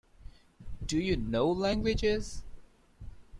Do you know languages?